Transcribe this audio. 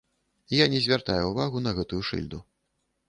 Я не звяртаю ўвагу на гэтую шыльду.